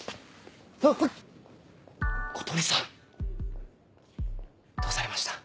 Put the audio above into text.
小鳥さんどうされました？